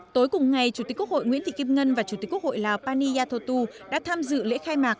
tối cùng ngày chủ tịch quốc hội nguyễn thị kim ngân và chủ tịch quốc hội lào pani yathotu đã tham dự lễ khai mạc